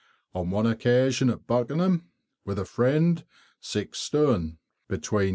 On one occasion, at Buckenham, with a friend, six stone between 2.